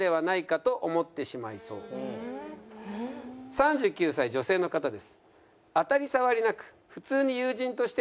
３９歳女性の方です。